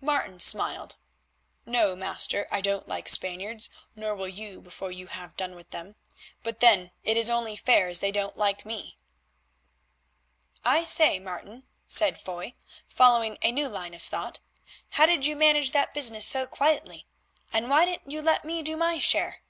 Martin smiled. "No, master, I don't like Spaniards, nor will you before you have done with them. But then it is only fair as they don't like me." "I say, Martin," said Foy, following a new line of thought, "how did you manage that business so quietly, and why didn't you let me do my share?"